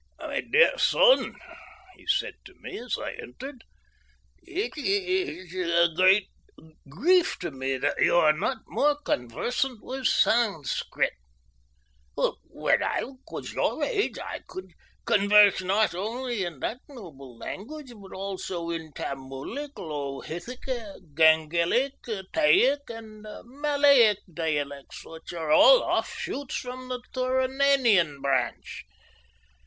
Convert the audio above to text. "My dear son," he said to me as I entered, "it is a great grief to me that you are not more conversant with Sanscrit. When I was your age, I could converse not only in that noble language, but also in the Tamulic, Lohitic, Gangelic, Taic, and Malaic dialects, which are all offshoots from the Turanian branch."